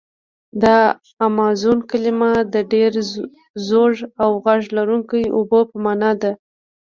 د امازون کلمه د ډېر زوږ او غږ لرونکي اوبو په معنا ده.